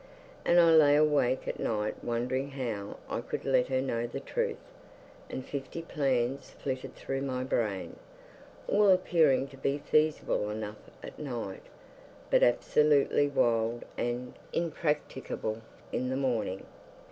And I lay awake at night wondering how I could let her know the truth, and fifty plans flitted through my brain, all appearing to be feasible enough at night, but absolutely wild and impracticable in the morning.